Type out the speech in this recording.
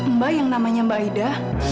mbak yang namanya mbak aida